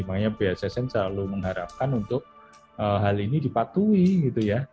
makanya bssn selalu mengharapkan untuk hal ini dipatuhi gitu ya